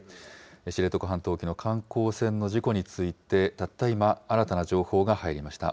知床半島沖の観光船の事故について、たった今、入りました。